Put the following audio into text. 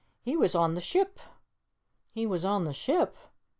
He was on the ship." "He was on the ship?"